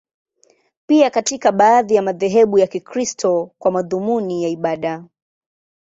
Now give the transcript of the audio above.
Pia katika baadhi ya madhehebu ya Kikristo, kwa madhumuni ya ibada.